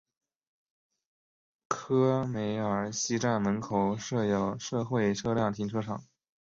科梅尔西站门口设有社会车辆停车场。